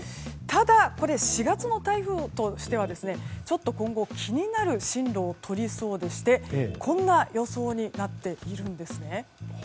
ただ、４月の台風としてはちょっと今後気になる進路をとりそうでしてこんな予想になっているんです。